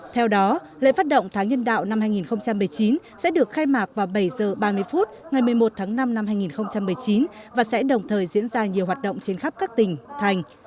theo đó lễ phát động tháng nhân đạo năm hai nghìn một mươi chín sẽ được khai mạc vào bảy h ba mươi phút ngày một mươi một tháng năm năm hai nghìn một mươi chín và sẽ đồng thời diễn ra nhiều hoạt động trên khắp các tỉnh thành